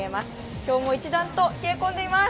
今日も一段と冷え込んでいます。